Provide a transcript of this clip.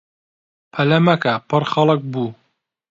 بەلەمەکە پڕ خەڵک بوو.